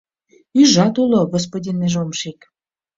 — Ӱйжат уло, господин межомшик.